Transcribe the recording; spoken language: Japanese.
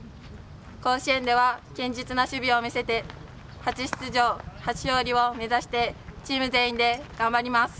甲子園では、堅実な守備を見せて初出場、初勝利を目指してチーム全員で頑張ります。